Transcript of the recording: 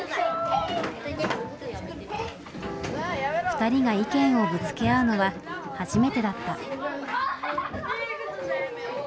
２人が意見をぶつけ合うのは初めてだった。